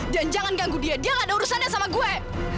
dan jangan ganggu dia dia nggak ada urusan sama gua